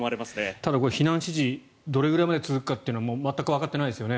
ただこれ、避難指示どれぐらいまで続くかというのは全くわかっていないですよね？